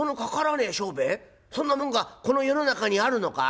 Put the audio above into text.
そんなもんがこの世の中にあるのか？」。